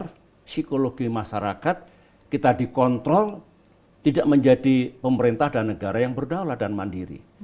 psikologi masyarakat kita dikontrol tidak menjadi pemerintah dan negara yang berdaulat dan mandiri